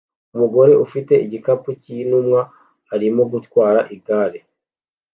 Umugore ufite igikapu cyintumwa arimo gutwara igare